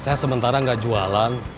saya sementara gak jualan